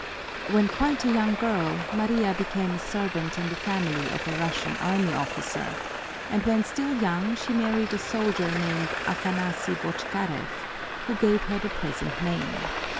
When quite a young girl Maria became a servant in the family of a Russian army officer, and when still young she married a soldier named Afanasi Botchkarev, who gave her her present name.